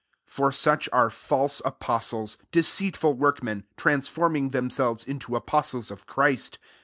13 For such are false apos tles, deceitful workmen, trans forming themselves into apos tles of Christ.